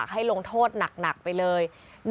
ให้ลงโทษหนักไปเลย